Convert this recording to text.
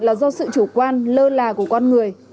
là do sự chủ quan lơ là của con người